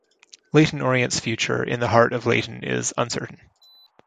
Leyton Orient's future in the heart of Leyton is uncertain.